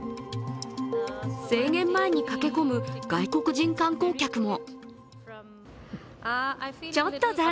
制限前に駆け込む外国人観光客も。